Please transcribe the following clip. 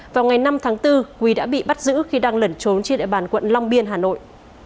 vào ngày năm tháng bốn quý đã bị bắt giữ khi đang lẩn trốn trên địa bàn quận long biên hà nội